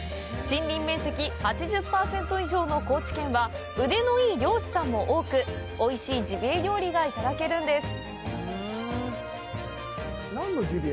森林面積８０％以上の高知県は腕のいい猟師さんも多くおいしいジビエ料理がいただけるんです。